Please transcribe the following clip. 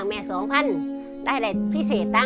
เมื่อ